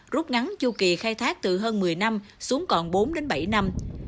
rút ngắn chu kỳ khai thác từ hơn một mươi năm xuống còn bốn đến bảy năm